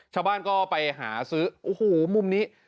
ชาวบ้านก็ไปหาซื้อโอ้โหมุมนี้